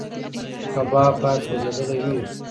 کباب باید سوځېدلی نه وي.